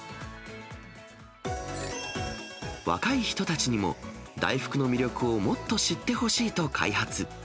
若い人たちにも、大福の魅力をもっと知ってほしいと開発。